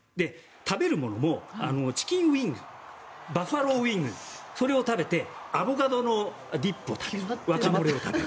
食べるものも、チキンウィングバファローウィングを食べてアボカドのディップを食べる。